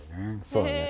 そうだね。